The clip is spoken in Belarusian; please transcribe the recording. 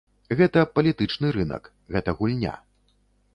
Гэта палітычны рынак, гэта гульня.